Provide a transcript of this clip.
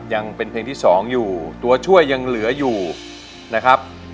ยังเป็นเพลงที่๒อยู่ตัวช่วยยังเหลืออยู่นะครับ